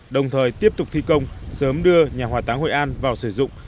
đồng thời tiếp tục thi công sớm đưa nhà hòa táng hội an vào sử dụng